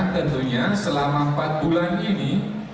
tentunya selama empat bulan ini